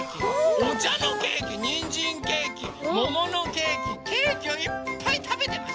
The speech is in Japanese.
おちゃのケーキにんじんケーキもものケーキケーキをいっぱいたべてます。